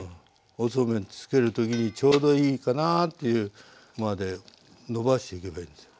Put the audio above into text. おそうめんつける時にちょうどいいかなっていうまでのばしていけばいいんですよ。